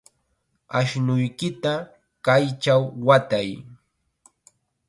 Ashnuykita kaychaw watay.